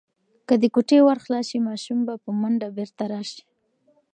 که د کوټې ور خلاص شي، ماشوم به په منډه بیرته راشي.